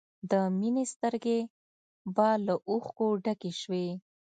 د مینې سترګې به له اوښکو ډکې شوې